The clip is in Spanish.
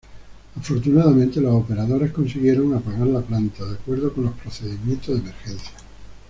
Afortunadamente, los operadores consiguieron apagar la planta de acuerdo con los procedimientos de emergencia.